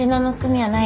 はい。